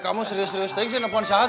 kamu serius serius kenapa telepon sama siapa